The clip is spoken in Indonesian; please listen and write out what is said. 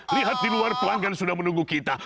lihat di luar pelanggan sudah menunggu kita